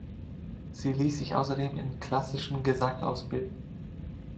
Sie ließ sich außerdem in klassischem Gesang ausbilden.